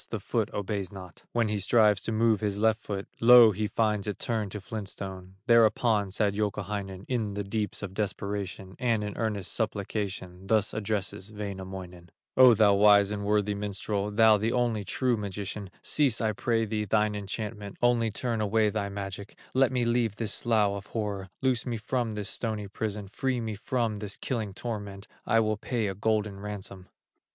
the foot obeys not; When he strives to move his left foot, Lo! he finds it turned to flint stone. Thereupon sad Youkahainen, In the deeps of desperation, And in earnest supplication, Thus addresses Wainamoinen: "O thou wise and worthy minstrel, Thou the only true magician, Cease I pray thee thine enchantment, Only turn away thy magic, Let me leave this slough of horror, Loose me from this stony prison, Free me from this killing torment, I will pay a golden ransom."